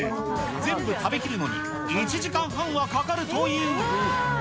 全部食べきるのに１時間半はかかるという。